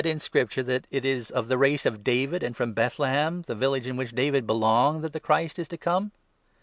181 in Scripture that it is of the race of David, and from Bethlehem, the village to which David belonged, that the Christ is to come